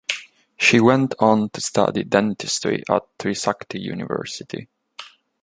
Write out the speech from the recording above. She went on to study dentistry at Trisakti University.